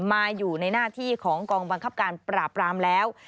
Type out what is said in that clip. มาอยู่ในหน้าที่ของกองบังคับการปราบรามแล้ว